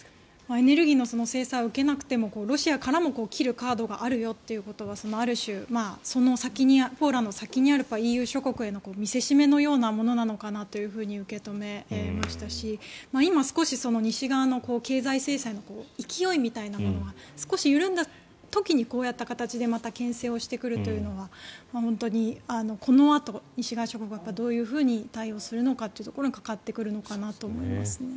エネルギーの制裁を受けなくてもロシアからも切るカードがあるよということはある種、その先にポーランドの先にあるＥＵ諸国への見せしめのようなものなのかなと受け止めましたし今、少し西側の経済制裁の勢いみたいなものが少し緩んだ時にこうやった形でけん制をしてくるというのは本当にこのあと、西側諸国がどう対応するのかというところにかかってくるのかなと思いますね。